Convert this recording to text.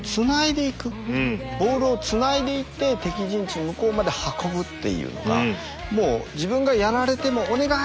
ボールをつないでいって敵陣地向こうまで運ぶっていうのがもう自分がやられてもお願い！